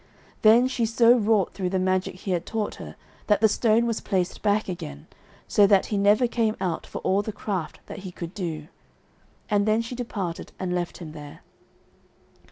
Then she so wrought through the magic he had taught her that the stone was placed back again, so that he never came out for all the craft that he could do. And then she departed and left him there.